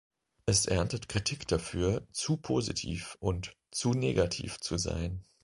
Es erntet Kritik dafür, „zu positiv“ und „zu negativ“ zu sein.